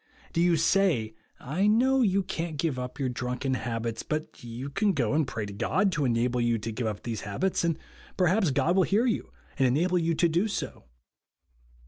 Do you say, I know you can't give up your drunken habits, but you can go and pray to God to enable you to give up these habits, and perhaps God will hear you and enable you to do so.